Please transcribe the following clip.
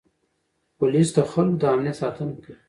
پولیس د خلکو د امنیت ساتنه کوي.